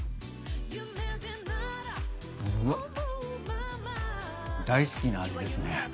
うわっ大好きな味ですね。